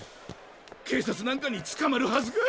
警察なんかにつかまるはずが。